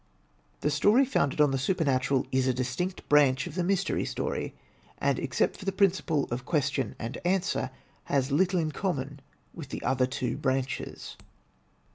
The story founded on the supernatural is a distinct branch of the Mystery Story, and except for the principle of Ques tion and Answer, has little in common with the other two branches.